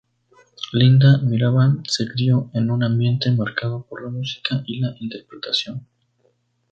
Linda Mirabal se crio en un ambiente marcado por la música y la interpretación.